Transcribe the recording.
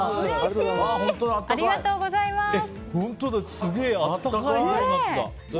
ありがとうございます。